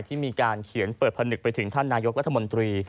ที่มีการเขียนเปิดผนึกไปถึงท่านนายกรัฐมนตรี